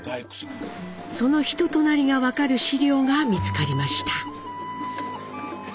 その人となりが分かる資料が見つかりました。